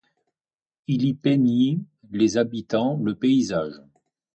Il y peignit les habitants, le paysage.